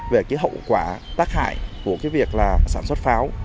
về cái hậu quả tác hại của cái việc là sản xuất pháo